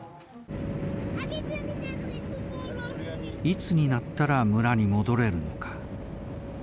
いつになったら村に戻れるのか。